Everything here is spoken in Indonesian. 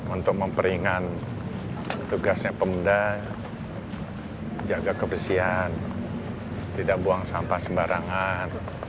untuk memperingan tugasnya pemda jaga kebersihan tidak buang sampah sembarangan